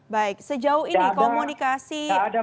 baik sejauh ini komunikasi